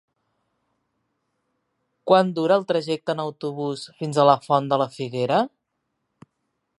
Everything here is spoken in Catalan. Quant dura el trajecte en autobús fins a la Font de la Figuera?